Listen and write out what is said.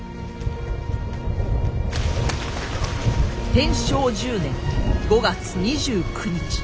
天正１０年５月２９日。